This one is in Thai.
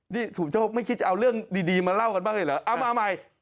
นี่สมโชคไม่คิดจะเอาเรื่องดีมาเล่ากันบ้างเลยเหรอเอามาใหม่